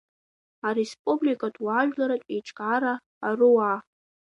Ареспубликатә Уаажәларратә Еиҿкаара Аруаа…